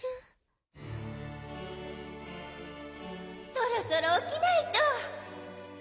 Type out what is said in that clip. そろそろおきないと。